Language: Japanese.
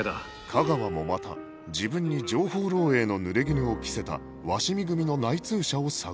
架川もまた自分に情報漏洩の濡れ衣を着せた鷲見組の内通者を探していた